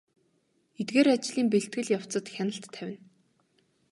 Эдгээр ажлын бэлтгэл явцад хяналт тавина.